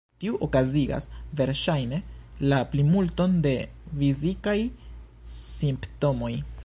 Tiu okazigas verŝajne la plimulton de fizikaj simptomoj.